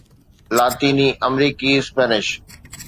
لاطيني آمريڪي اسپينش